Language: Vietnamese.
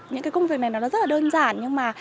những cái công việc này nó rất là đơn giản